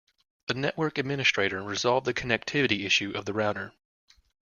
The network administrator resolved the connectivity issue of the router.